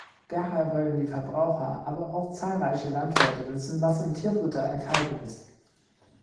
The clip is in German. Daher wollen die Verbraucher, aber auch zahlreiche Landwirte wissen, was im Tierfutter enthalten ist.